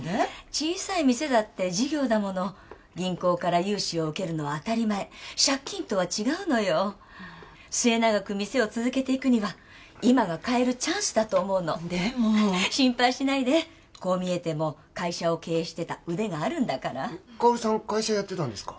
小さい店だって事業だもの銀行から融資を受けるのは当たり前借金とは違うのよ末永く店を続けていくには今が変えるチャンスだと思うのでも心配しないでこう見えても会社を経営してた腕があるんだから香さん会社やってたんですか？